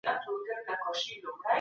حاکمانو فکر کاوه چي دا کړنه ګټوره ده.